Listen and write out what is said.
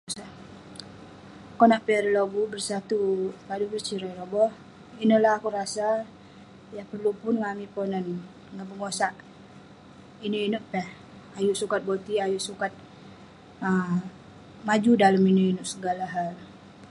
Konak piak ireh lobuk ; bersatu padu, bercerai roboh. Ineh lah akouk rasa yah perlu pun ngan amik Ponan, ngan bengosak inouk inouk peh. Ayuk sukat boti'ik ayuk sukat um maju dalem inouk inouk segala hal.